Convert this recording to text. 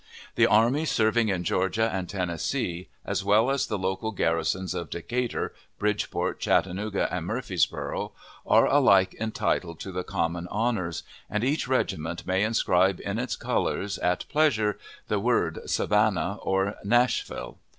The armies serving in Georgia and Tennessee, as well as the local garrisons of Decatur, Bridgeport, Chattanooga, and Murfreesboro', are alike entitled to the common honors, and each regiment may inscribe on its colors, at pleasure, the word "Savannah" or "Nashville."